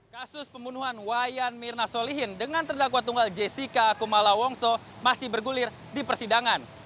kasus pembunuhan wayan mirna solihin dengan terdakwa tunggal jessica kumala wongso masih bergulir di persidangan